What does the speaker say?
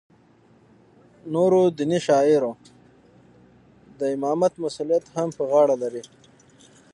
نورو دیني شعایرو د امامت مسولیت هم په غاړه لری.